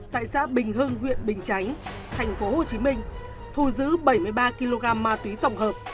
tại xã bình hưng huyện bình chánh tp hcm thu giữ bảy mươi ba kg ma túy tổng hợp